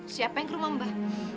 siapa yang ke rumah mbah